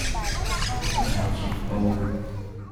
A ṭha chin ko.